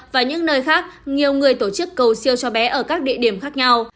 và những nơi khác nhiều người tổ chức cầu siêu cho bé ở các địa điểm khác nhau